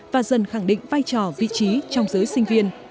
và dần khẳng định vai trò vị trí trong giới sinh viên